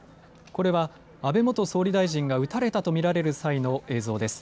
これは安倍元総理大臣が撃たれたと見られる際の映像です。